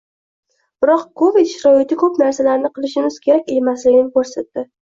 Biroq Covid sharoiti koʻp narsalarni qilishimiz kerak emasligini koʻrsatdi.